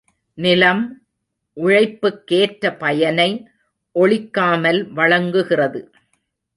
நிலம் உழைப்புக்கேற்ற பயனை ஒளிக்காமல் வழங்குகிறது.